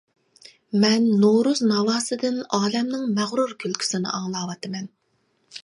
مەن نورۇز ناۋاسىدىن ئالەمنىڭ مەغرۇر كۈلكىسىنى ئاڭلاۋاتىمەن.